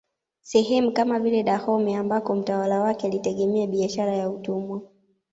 Sehemu kama vile Dahomey ambako mtawala wake alitegemea biashara ya utumwa